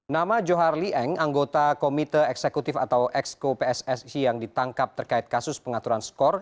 nama johar lee eng anggota komite eksekutif atau exco pssi yang ditangkap terkait kasus pengaturan skor